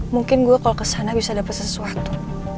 mungkin gue klo ke sana bisa dapet sesuatu